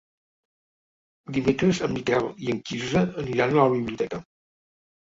Dimecres en Miquel i en Quirze aniran a la biblioteca.